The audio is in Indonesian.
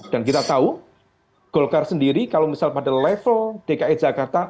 dan kita tahu golkar sendiri kalau misal pada level dki jakarta